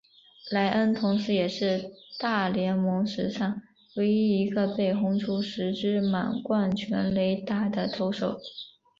莱恩同时也是大联盟史上唯一一个被轰出十支满贯全垒打的投手。